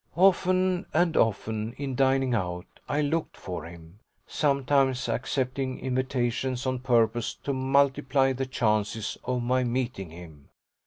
Often and often, in dining out, I looked for him, sometimes accepting invitations on purpose to multiply the chances of my meeting him.